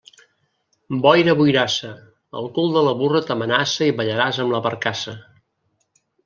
Boira boirassa, el cul de la burra t'amenaça i ballaràs amb la barcassa.